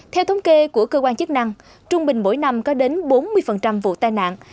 theo thống kê của cơ quan chức năng trung bình mỗi năm có đến bốn mươi vụ tai nạn